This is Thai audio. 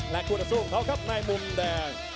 และกูต้องสู้กับเขาครับในมุมแดง